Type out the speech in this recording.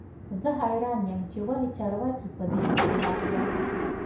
زه حیران یم چې ولې چارواکي په دې پسې راغلل